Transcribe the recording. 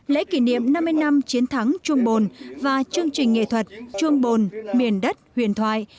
lễ kỷ niệm năm mươi năm chiến thắng chuông bồn và chương trình nghệ thuật chuông bồn miền đất huyền thoại